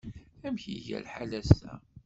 Amek iga lḥal ass-a?